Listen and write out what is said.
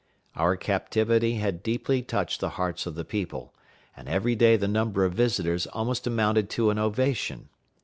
Our captivity had deeply touched the hearts of the people, and every day the number of visitors almost amounted to an ovation.